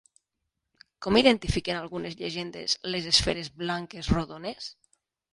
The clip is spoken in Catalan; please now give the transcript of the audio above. Com identifiquen algunes llegendes les esferes blanques rodones?